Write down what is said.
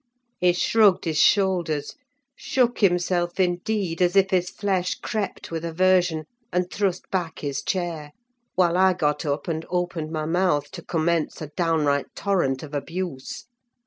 He shrugged his shoulders: shook himself, indeed, as if his flesh crept with aversion; and thrust back his chair; while I got up, and opened my mouth, to commence a downright torrent of abuse.